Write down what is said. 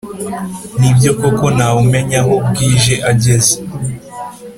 nibyo koko ntawumenya aho bwije ageze